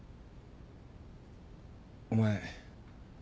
お前